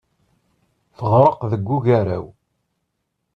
Teɣreq deg ugaraw.